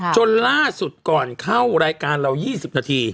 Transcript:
จนล่าสุดก่อนเข้ารายการเรา๒๐นาที